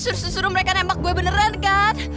nanti nggak suruh mereka nembak gue beneran kan